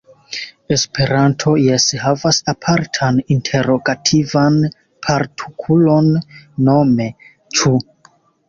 Esperanto jes havas apartan interogativan partukulon, nome "ĉu".